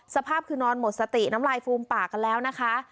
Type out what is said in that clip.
สภาพคือนอนหมดสติน้ำลายฟูมปากกันแล้วนะคะ